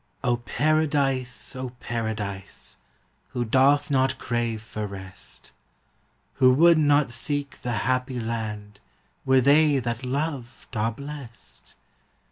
O Paradise, O Paradise, Who doth not crave for rest, Who would not seek the happy land Where they that loved are blest?